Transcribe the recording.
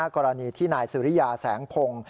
กรณีที่นายสุริยาแสงพงศ์